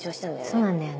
そうなんだよね。